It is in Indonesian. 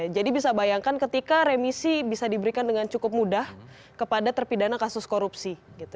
jadi bisa bayangkan ketika remisi bisa diberikan dengan cukup mudah kepada terpidana kasus korupsi